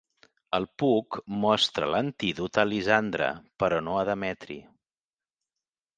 El Puck mostra l'antídot a Lisandre, però no a Demetri.